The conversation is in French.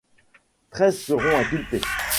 Treize seront inculpés.